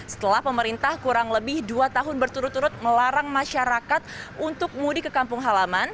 setelah pemerintah kurang lebih dua tahun berturut turut melarang masyarakat untuk mudik ke kampung halaman